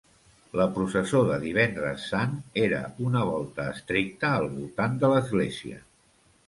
La processó de Divendres Sant era una volta estricta al voltant de l'església.